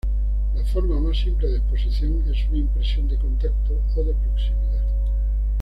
La forma más simple de exposición es una impresión de contacto o de proximidad.